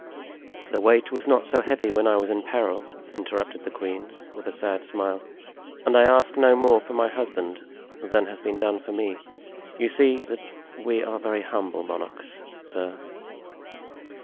"The weight was not so heavy when I was in peril," interrupted the queen, with a sad smile, "and I ask no more for my husband than has been done for me; you see that we are very humble monarchs, sir."